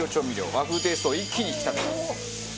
和風テイストを一気に引き立てます。